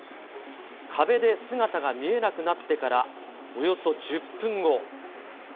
壁で姿が見えなくなってからおよそ１０分後。